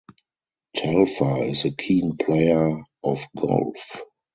Telfer is a keen player of golf.